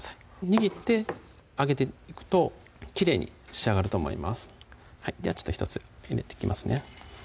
握って揚げていくときれいに仕上がると思いますでは１つ入れていきますね